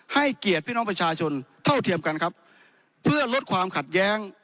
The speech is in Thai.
เกียรติพี่น้องประชาชนเท่าเทียมกันครับเพื่อลดความขัดแย้ง